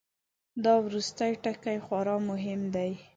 دا وروستی ټکی خورا مهم دی.